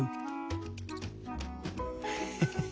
フフフ。